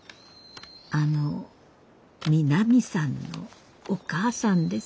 あの美波さんのお母さんです。